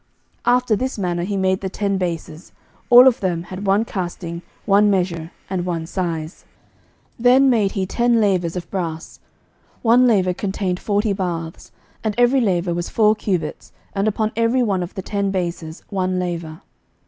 11:007:037 After this manner he made the ten bases: all of them had one casting, one measure, and one size. 11:007:038 Then made he ten lavers of brass: one laver contained forty baths: and every laver was four cubits: and upon every one of the ten bases one laver.